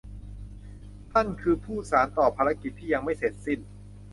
ท่านคือผู้สานต่อภารกิจที่ยังไม่เสร็จสิ้น